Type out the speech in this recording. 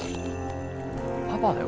パパだよ